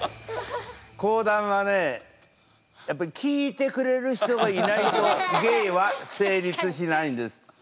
講談はね聞いてくれる人がいないと芸は成立しないんです。